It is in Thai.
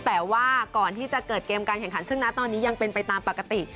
แต่ว่าก่อนที่จะเกิดเกมการแข่งขันซึ่งนะตอนนี้ยังเป็นไปตามปกติ